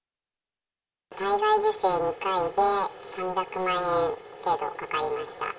体外受精２回で、３００万円程度かかりました。